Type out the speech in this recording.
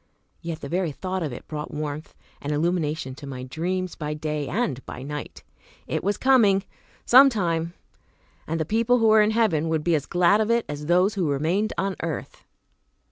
Yet the very thought of it brought warmth and illumination to my dreams by day and by night. It was coming, some time! And the people who were in heaven would be as glad of it as those who remained on earth.